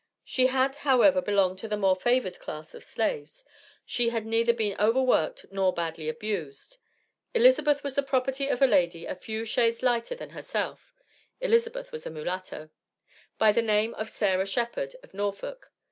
She had, however, belonged to the more favored class of slaves. She had neither been over worked nor badly abused. Elizabeth was the property of a lady a few shades lighter than herself, (Elizabeth was a mulatto) by the name of Sarah Shephard, of Norfolk.